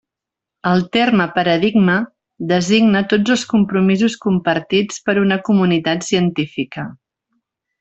El terme 'paradigma' designa tots els compromisos compartits per una comunitat científica.